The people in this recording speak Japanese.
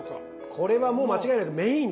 これはもう間違いなくメインですね。